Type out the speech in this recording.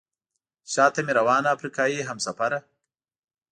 شاته مې روانه افریقایي همسفره.